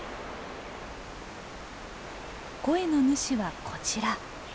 声の主はこちら。